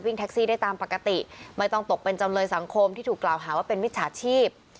แท็กซี่ได้ตามปกติไม่ต้องตกเป็นจำเลยสังคมที่ถูกกล่าวหาว่าเป็นมิจฉาชีพ